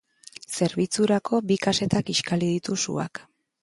Zerbitzurako bi kaseta kiskali ditu suak.